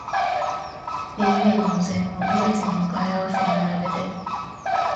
めいめいのお膳を二列に向かい合わせに並べて、